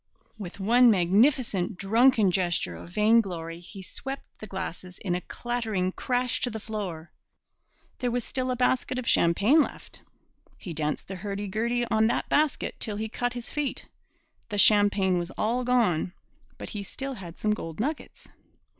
With one magnificent drunken gesture of vainglory he swept the glasses in a clattering crash to the floor. There was still a basket of champagne left. He danced the hurdy gurdy on that basket till he cut his feet. The champagne was all gone, but he still had some gold nuggets.